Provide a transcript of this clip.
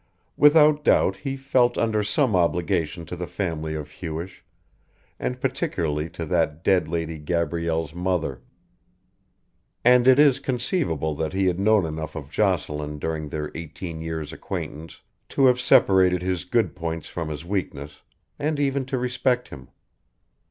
Without doubt he felt under some obligation to the family of Hewish, and particularly to that dead lady Gabrielle's mother, and it is conceivable that he had known enough of Jocelyn during their eighteen years' acquaintance to have separated his good points from his weakness, and even to respect him.